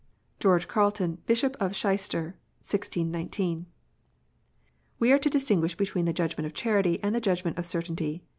"George Carleton, Bishop of Chichester. 1619 "We are to distinguish between the judgment of charity and the judg ment of certainty.